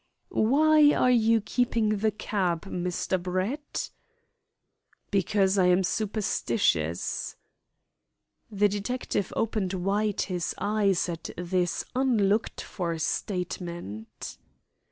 "Why are you keeping the cab, Mr. Brett?" "Because I am superstitious." The detective opened wide his eyes at this unlooked for statement.